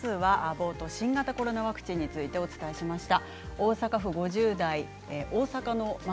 冒頭、新型コロナワクチンについてお伝えしました。